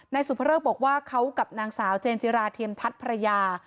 สุภเริกบอกว่าเขากับนางสาวเจนจิราเทียมทัศน์ภรรยา